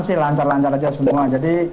sih lancar lancar aja semua jadi